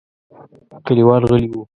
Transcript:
کليوال غلي وو.